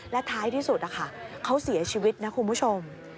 และท้ายที่สุดนะคะเขาเสียชีวิตนะคุณผู้ชม